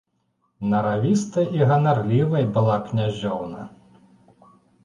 Наравістай і ганарлівай была князёўна.